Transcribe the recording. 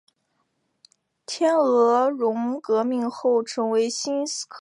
天鹅绒革命后成为斯柯达在一边私人公司也改革它的生产。